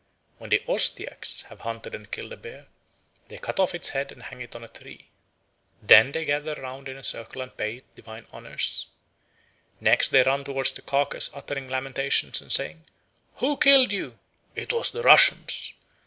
When the Ostiaks have hunted and killed a bear, they cut off its head and hang it on a tree. Then they gather round in a circle and pay it divine honours. Next they run towards the carcase uttering lamentations and saying, "Who killed you? It was the Russians.